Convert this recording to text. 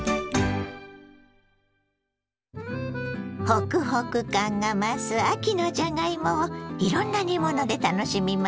ホクホク感が増す秋のじゃがいもをいろんな煮物で楽しみましょ。